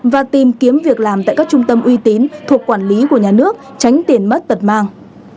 và tìm kiếm việc làm tại các trung tâm uy tín thuộc quản lý của nhà nước tránh tiền mất tật mang